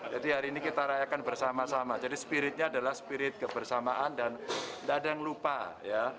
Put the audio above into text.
jadi hari ini kita rayakan bersama sama jadi spiritnya adalah spirit kebersamaan dan tidak ada yang lupa ya